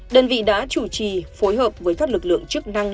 đơn vị đã chủ trì phối hợp với các lực lượng chức năng